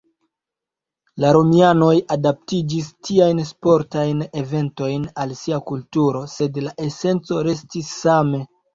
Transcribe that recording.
La romianoj adaptiĝis tiajn sportajn eventojn al sia kulturo, sed la esenco restis same.